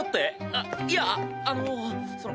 あっいやあのその。